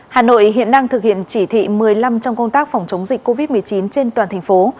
hà nội hiện đang thực hiện chỉ thị một mươi năm trong công tác phòng chống dịch covid một mươi chín trên toàn thành phố